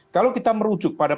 kalau kita merujuk pada